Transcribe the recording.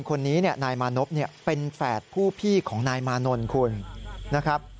คนนี้นายมานพเป็นแฝดผู้พี่ของนายมานนท์คุณนะครับ